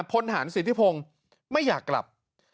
พลฐานสิทธิพงศ์ไม่อยากกลับ